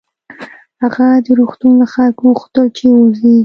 هغه د روغتون له خلکو وغوښتل چې ووځي